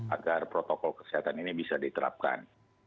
agar protokol kesehatan ini bisa diterapkan